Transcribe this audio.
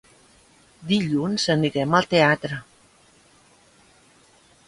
Dilluns anirem al teatre.